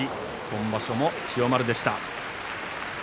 今場所も千代丸でした。